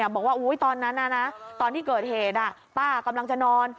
บอกว่าตอนนั้นตอนที่เกิดเหตุป้ากำลังจะนอน